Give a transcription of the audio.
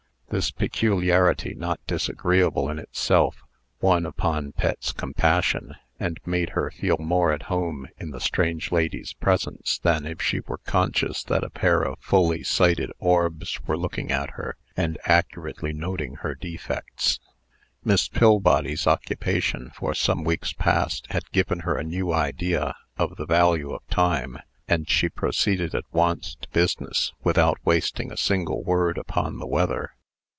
This peculiarity, not disagreeable in itself, won upon Pet's compassion, and made her feel more at home in the strange lady's presence than if she were conscious that a pair of full sighted orbs were looking at her, and accurately noting her defects. Miss Pillbody's occupation, for some weeks past, had given her a new idea of the value of time, and she proceeded at once to business, without wasting a single word upon the weather.